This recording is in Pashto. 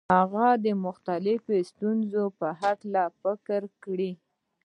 د هغو مختلفو ستونزو په هکله فکر کړی.